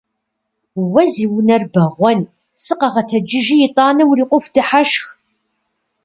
Уэ зи унэр бэгъуэн! Сыкъэгъэтэджыжи итӏанэ урикъуху дыхьэшх!